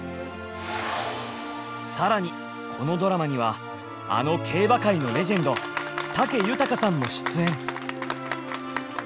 更にこのドラマにはあの競馬界のレジェンド武豊さんも出演！